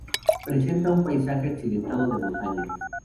Presenta un paisaje accidentado de montaña.